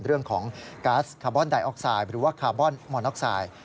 เรื่องของกาสคาร์บอนไดออกไซด์หรือว่าคาร์บอนมอนออกไซด์